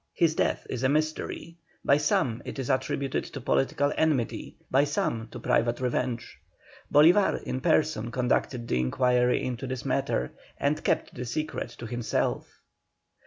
His death is a mystery; by some it is attributed to political enmity, by some to private revenge. Bolívar in person conducted the enquiry into the matter, and kept the secret to himself.